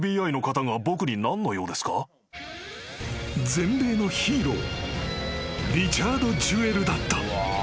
［全米のヒーローリチャード・ジュエルだった］